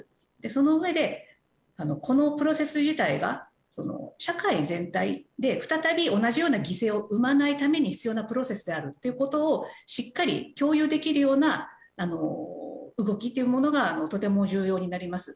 その上で、このプロセス自体が社会全体で再び同じような犠牲を生まないために必要なプロセスであるっていうことをしっかり共有できるような動きというものがとても重要になります。